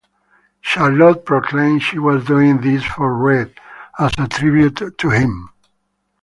Charlotte proclaimed she was doing this for Reid as a tribute to him.